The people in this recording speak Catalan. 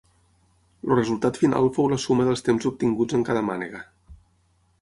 El resultat final fou la suma dels temps obtinguts en cada mànega.